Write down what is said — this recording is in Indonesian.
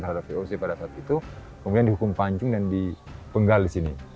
terhadap voc pada saat itu kemudian dihukum panjung dan dipenggal di sini